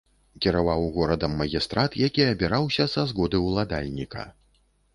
Кіраваў горадам магістрат, які абіраўся са згоды ўладальніка.